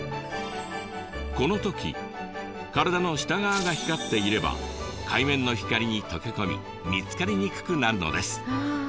このとき体の下側が光っていれば海面の光に溶け込み見つかりにくくなるのです。